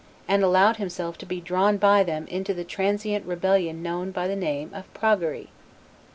and allowed himself to be drawn by them into the transient rebellion known by the name of Praguery.